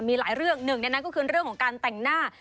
มีหลายเรื่องหนึ่งในนั้นก็คือเรื่องของการแต่งหน้า